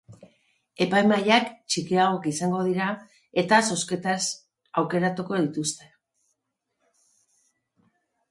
Epaimahaiak txikiagoak izango dira, eta zozketaz aukeratuko dituzte.